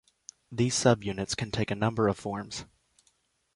These subunits can take a number of forms.